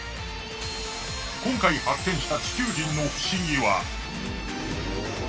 今回発見した地球人の不思議は。